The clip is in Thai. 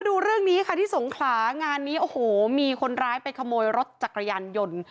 ดูเรื่องนี้ค่ะที่สงขลางานนี้โอ้โหมีคนร้ายไปขโมยรถจักรยานยนต์